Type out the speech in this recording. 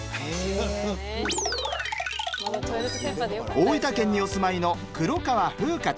大分県にお住まいの黒川ふうかちゃん。